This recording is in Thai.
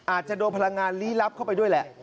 อาจจะโดนพลังงานลี้ลับเข้าไปด้วยแหละ